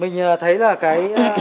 mình thấy là cái